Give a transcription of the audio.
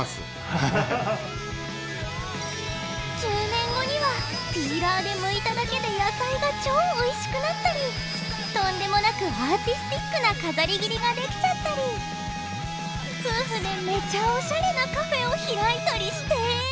１０年後にはピーラーでむいただけで野菜が超おいしくなったりとんでもなくアーティスティックな飾り切りができちゃったり夫婦でめちゃオシャレなカフェを開いたりして！